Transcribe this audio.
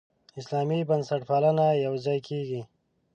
اسلامي بنسټپالنه یوځای کېږي.